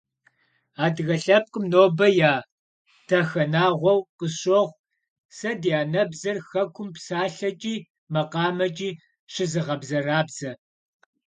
Адыгэ лъэпкъым нобэ я дахэнагъуэу къысщохъу сэ ди анэбзэр хэкум псалъэкӀи макъамэкӀи щызыгъэбзэрабзэ.